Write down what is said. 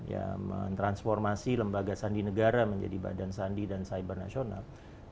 ya mentransformasi lembaga sandi negara menjadi badan sandi dan cyber nasional